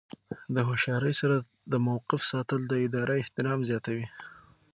د هوښیارۍ سره د موقف ساتل د ادارې احترام زیاتوي.